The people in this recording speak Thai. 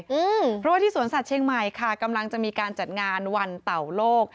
เพราะว่าที่สวนสัตว์เชียงใหม่ค่ะกำลังจะมีการจัดงานวันเต่าโลก